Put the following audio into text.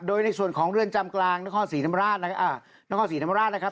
โดยในส่วนของเรือนจำกลางนศศรีนำราชนะครับ